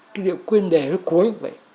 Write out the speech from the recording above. cái điệu quyên đề cuối